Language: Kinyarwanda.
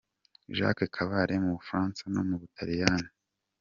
Jacques Kabale mu Bufaransa no mu Butaliyani .